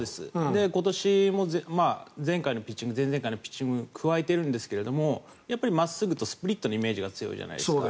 今年も前回のピッチング、前々回のピッチングにも加えているんですがやっぱり真っすぐとスプリットのイメージが強いじゃないですか。